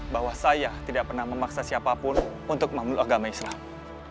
bahwa saya tidak pernah memaksa siapapun untuk memenuhi agama islam